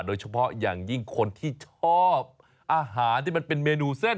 โดยเฉพาะอย่างยิ่งคนที่ชอบอาหารที่มันเป็นเมนูเส้น